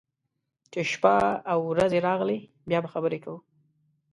چې شپه او رځې راغلې، بیا به خبرې کوو.